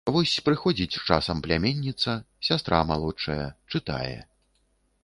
Вось прыходзіць часам пляменніца, сястра малодшая, чытае.